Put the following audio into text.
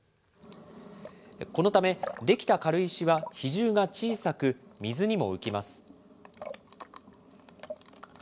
このため出来た軽石は比重が小さく、水にも浮きます。